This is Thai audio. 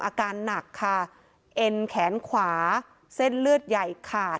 อาการหนักค่ะเอ็นแขนขวาเส้นเลือดใหญ่ขาด